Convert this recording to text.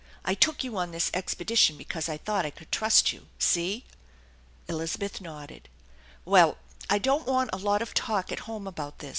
I took you on this expedition because I thought I could trust you. See?" Elizabeth nodded. " Wll, I don't want a lot of talk at home about this.